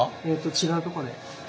違うとこで。